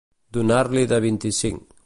Donar-li de vint-i-cinc.